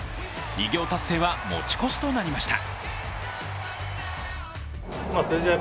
偉業達成は持ち越しとなりました。